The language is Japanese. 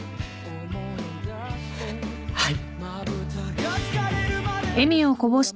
はい。